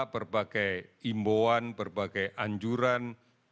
berbagai imbauan berbagai anjuran